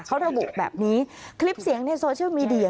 เขาระบุแบบนี้คลิปเสียงในโซเชียลมีเดีย